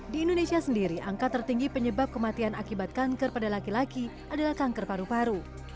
di indonesia sendiri angka tertinggi penyebab kematian akibat kanker pada laki laki adalah kanker paru paru